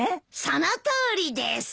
そのとおりです！